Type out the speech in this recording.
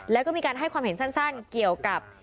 แล้วก็มีการให้ความเห็นสั้นเกี่ยวกับ